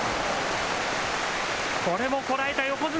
これもこらえた、横綱。